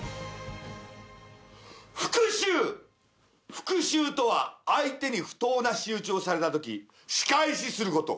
復讐とは相手に不当な仕打ちをされたとき仕返しすること。